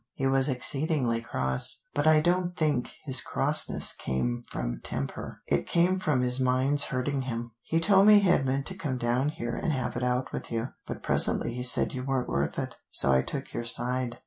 He was exceedingly cross, but I don't think his crossness came from temper; it came from his mind's hurting him. He told me he had meant to come down here and have it out with you, but presently he said you weren't worth it. So I took your side."